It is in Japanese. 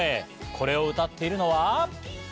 これを歌っているのは。